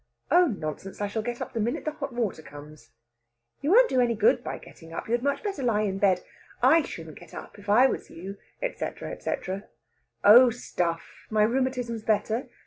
"Oh, nonsense! I shall get up the minute the hot water comes." "You won't do any good by getting up. You had much better lie in bed. I shouldn't get up, if I was you," etc., etc. "Oh, stuff! My rheumatism's better.